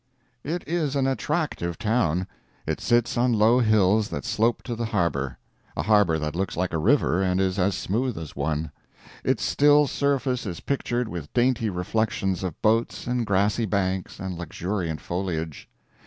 It is an attractive town. It sits on low hills that slope to the harbor a harbor that looks like a river, and is as smooth as one. Its still surface is pictured with dainty reflections of boats and grassy banks and luxuriant foliage.